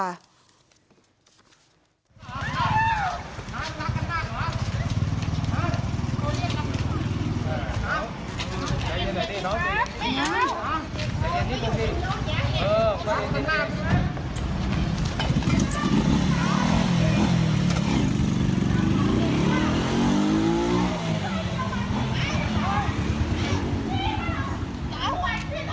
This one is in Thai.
อ่าวแล้วจำความผิด